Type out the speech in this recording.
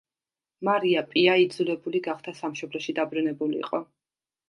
მარია პია იძულებული გახდა სამშობლოში დაბრუნებულიყო.